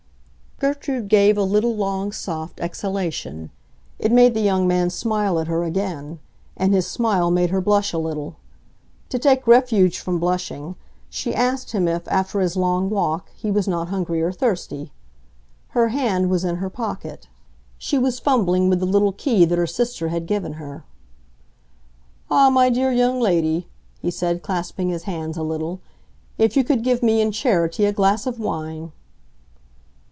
Gertrude gave a little long soft exhalation. It made the young man smile at her again; and his smile made her blush a little. To take refuge from blushing she asked him if, after his long walk, he was not hungry or thirsty. Her hand was in her pocket; she was fumbling with the little key that her sister had given her. "Ah, my dear young lady," he said, clasping his hands a little, "if you could give me, in charity, a glass of wine!"